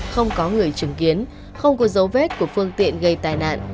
không có người chứng kiến không có dấu vết của phương tiện gây tai nạn